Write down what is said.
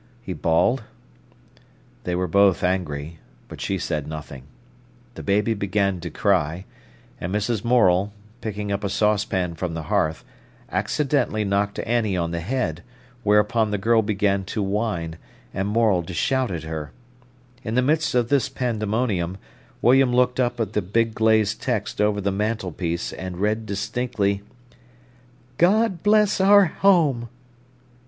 he bawled. They were both angry, but she said nothing. The baby began to cry, and Mrs. Morel, picking up a saucepan from the hearth, accidentally knocked Annie on the head, whereupon the girl began to whine, and Morel to shout at her. In the midst of this pandemonium, William looked up at the big glazed text over the mantelpiece and read distinctly: "God Bless Our Home!"